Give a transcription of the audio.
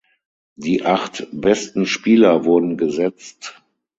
Die acht besten Spieler wurden gesetzt.